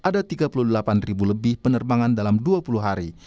lebih dari tiga puluh dua ribu penerbangan dalam dua puluh hari